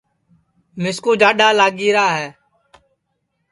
مِسکُو جاڈؔا لگی را ہے